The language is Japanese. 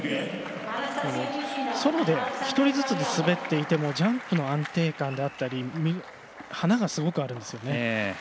ソロで１人ずつで滑っていてもジャンプの安定感であったり華がすごくあるんですよね。